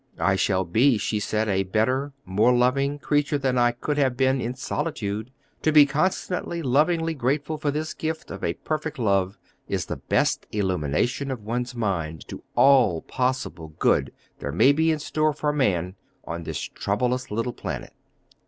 "I shall be," she said, "a better, more loving creature than I could have been in solitude. To be constantly, lovingly grateful for this gift of a perfect love is the best illumination of one's mind to all the possible good there may be in store for man on this troublous little planet."